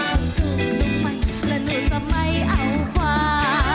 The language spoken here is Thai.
ต้องจูบลงไปและหนูจะไม่เอาความ